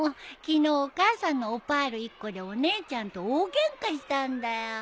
昨日お母さんのオパール１個でお姉ちゃんと大ゲンカしたんだよ。